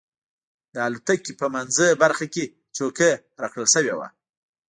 د الوتکې په منځۍ برخه کې چوکۍ راکړل شوې وه.